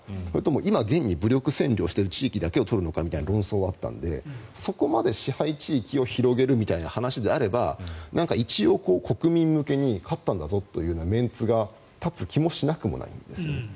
それとも今、現に武力占領している地域だけを取るのかという論争があったのでそこまで支配地域を広げるみたいな話であれば一応、国民向けに勝ったんだぞというメンツが立つ気もしなくはないんです。